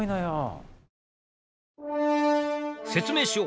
説明しよう。